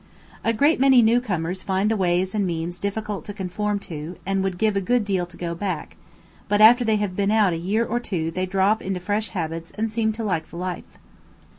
A great many new comers find the ways and means difficult to conform to, and would give a good deal to go back; but after they have been out a year or two they drop into fresh habits and seem to like the life.